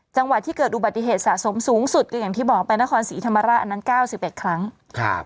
จังหวัดที่เกิดอุบัติเหตุสะสมสูงสุดก็อย่างที่บอกไปนครศรีธรรมราชอันนั้นเก้าสิบเอ็ดครั้งครับ